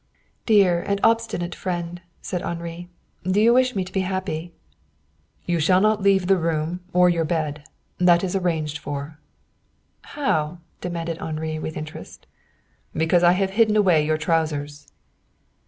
"Dear and obstinate friend," said Henri, "do you wish me to be happy?" "You shall not leave the room or your bed. That is arranged for." "How?" demanded Henri with interest. "Because I have hidden away your trousers."